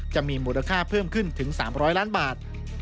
จะมีมูลค่าเพิ่มขึ้นถึง๓๐๐ล้านบาท